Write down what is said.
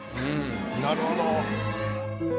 なるほどね。